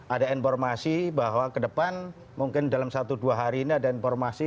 ada informasi bahwa ke depan mungkin dalam satu dua hari ini ada informasi